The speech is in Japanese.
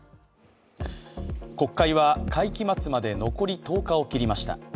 国会は会期末まで残り１０日を切りました。